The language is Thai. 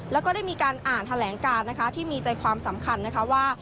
แล้วก็ได้มีการอ่านแถลงการนะคะที่มีใจความสำคัญนะคะว่า